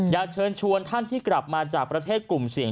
อยากเชิญชวนท่านที่กลับมาจากประเทศกลุ่มเสี่ยง